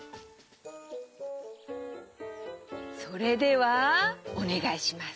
それではおねがいします。